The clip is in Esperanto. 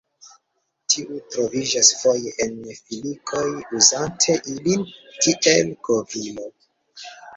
Tiu troviĝas foje en filikoj, uzante ilin kiel kovrilo.